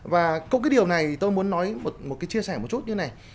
và cũng cái điều này tôi muốn nói chia sẻ một chút như này